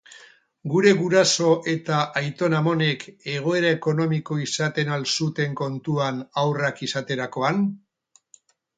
Gure guraso eta aiton-amonek egoera ekonomiko izaten al zuten kontuan haurrak izaterakoan?